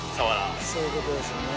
そういうことですね。